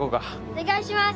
お願いします。